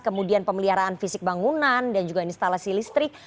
kemudian pemeliharaan fisik bangunan dan juga instalasi listrik